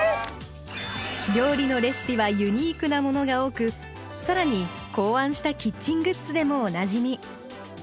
料理のレシピはユニークなものが多く更に考案したキッチングッズでもおなじみ。